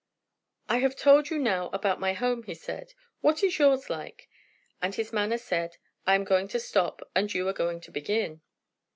"I have told you now about my home," he said. "What is yours like?" And his manner said, I am going to stop, and you are going to begin.